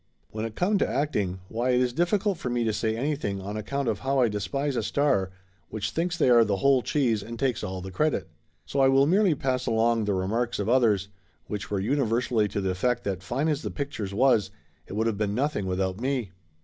When it come to acting, why it is difficult for me to say anything on account of how I do despise a star which thinks they are the whole cheese and takes all the credit. So I will merely pass along the remarks of others, which were universally to the effect that fine as the pictures was, it would of been nothing with out me.